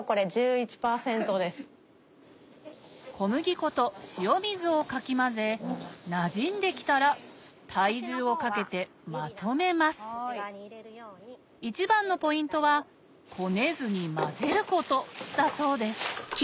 小麦粉と塩水をかき混ぜなじんできたら体重をかけてまとめます一番のポイントはこねずに混ぜることだそうです